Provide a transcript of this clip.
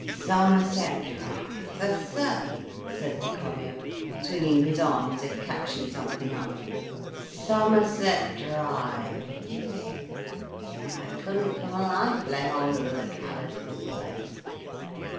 "Somerset Drive, for certain!" said the collier, swinging his arm as if catching something up. "Somerset Drive—yi! I couldn't for my life lay hold o' the lercality o' the place.